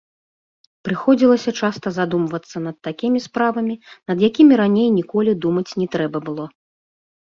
Прыходзілася часта задумвацца над такімі справамі, над якімі раней ніколі думаць не трэба было.